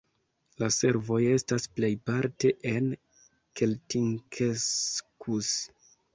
La servoj estas plejparte en Keltinkeskus.